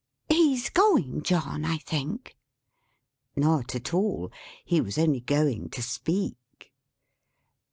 "He's going, John, I think!" Not at all. He was only going to speak.